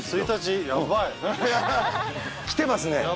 １日、やばい。来てますね。